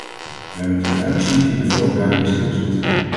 Wij moeten duidelijk zien hoe de vork daar in de steel zit.